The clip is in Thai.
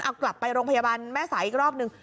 เอากลับไปโรงพยาบาลแม่สายอีกรอบนึง